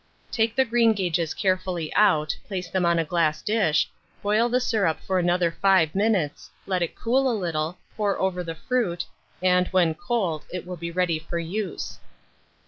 Take the greengages carefully out, place them on a glass dish, boil the syrup for another 5 minutes, let it cool a little, pour over the fruit, and, when cold, it will be ready for use.